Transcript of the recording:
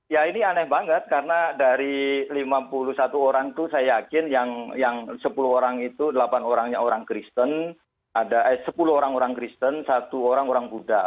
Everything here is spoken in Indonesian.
ya ini aneh banget karena dari lima puluh satu orang itu saya yakin yang sepuluh orang itu delapan orangnya orang kristen ada sepuluh orang orang kristen satu orang orang buddha